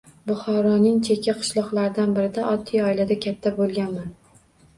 Buxoroning chekka qishloqlaridan birida, oddiy oilada katta bo’lganman.